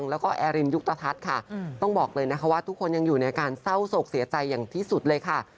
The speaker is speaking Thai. แล้วก็แอรินยุคตะทัศน์ค่ะต้องบอกเลยนะคะว่าทุกคนยังอยู่ในอาการเศร้าโศกเสียใจอย่างที่สุดเลยค่ะ